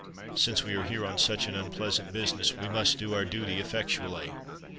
"Since we are here on such an unpleasant business, we must do our duty effectually."